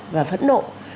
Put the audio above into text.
và phẫn nộ